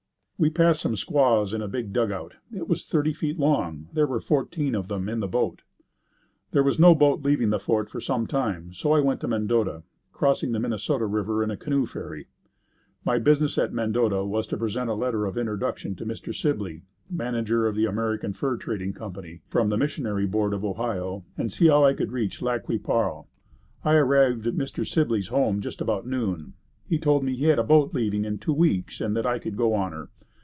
We passed some squaws in a big dugout. It was thirty feet long. There were fourteen of them in the boat. There was no boat leaving the fort for some time so I went to Mendota, crossing the Minnesota River in a canoe ferry. My business at Mendota was to present a letter of introduction to Mr. Sibley, Manager of the American Fur Trading Co., from the missionary board of Ohio and see how I could reach Lac qui Parle. I arrived at Mr. Sibley's home just about noon. He told me he had a boat leaving in two weeks and that I could go on her.